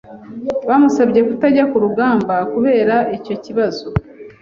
Bamusabye kutajya ku rugamba kubera icyo kibazo.